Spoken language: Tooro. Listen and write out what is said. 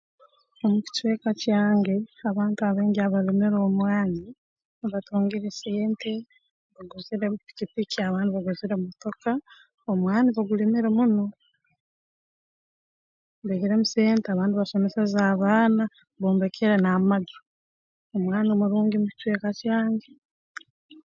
Omu kicweka kyange abantu abaingi abalimire omwani batungire sente baguzire pikipiki abandi baguzire motoka omwani bagulimire muno baihiremu sente abandi basomeseze abaana bombekere n'amaju omwani murungi mu kicweka kyange